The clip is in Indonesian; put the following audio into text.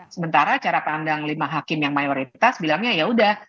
sementara cara pandang lima hakim yang mayoritas bilangnya yaudah